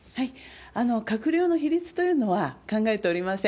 閣僚の比率というのは、考えておりません。